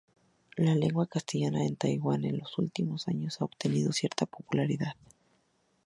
La lengua castellana en Taiwán en los últimos años ha obtenido cierta popularidad.